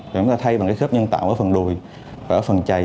rồi chúng ta thay bằng cái khớp nhân tạo ở phần đùi và ở phần chày